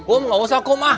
um gak usah kum